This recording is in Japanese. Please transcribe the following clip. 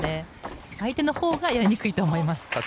相手のほうがやりにくいと思います。